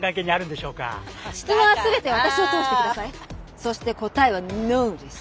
そして答えはノーです。